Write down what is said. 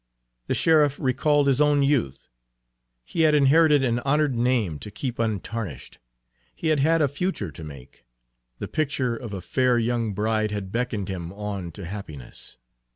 The sheriff recalled his own youth. He had inherited an honored name to keep untarnished; he had had a future to make; the picture of a fair young bride had beckoned him on to happiness.